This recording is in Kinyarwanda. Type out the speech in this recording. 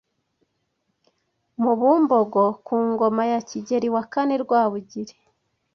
mu Bumbogo ku ngoma ya Kigeli wa kane Rwabugiri